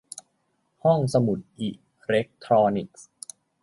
ห้องสมุดอิเล็กทรอนิกส์